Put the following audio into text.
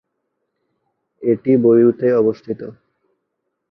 এটি বৈরুতে অবস্থিত।